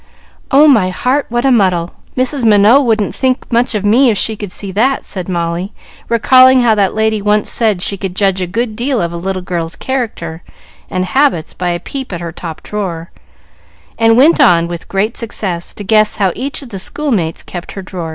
"Oh, my heart, what a muddle! Mrs. Minot wouldn't think much of me if she could see that," said Molly, recalling how that lady once said she could judge a good deal of a little girl's character and habits by a peep at her top drawer, and went on, with great success, to guess how each of the school mates kept her drawer.